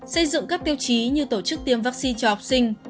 xây dựng các tiêu chí như tổ chức tiêm vaccine cho học sinh